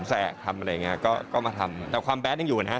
แสกทำอะไรอย่างเงี้ยก็ก็มาทำแต่ความแดดยังอยู่นะฮะ